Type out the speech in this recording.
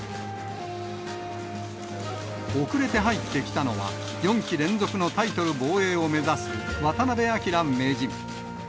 遅れて入ってきたのは、４期連続のタイトル防衛を目指す渡辺明名人。